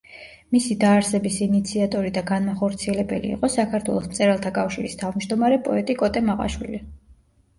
მისი დაარსების ინიციატორი და განმახორციელებელი იყო საქართველოს მწერალთა კავშირის თავმჯდომარე, პოეტი კოტე მაყაშვილი.